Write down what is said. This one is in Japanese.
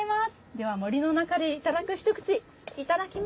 では、森の中でいただく一口いただきます。